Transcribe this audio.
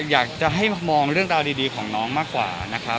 อยากจะให้มองเรื่องราวดีของน้องมากกว่านะครับ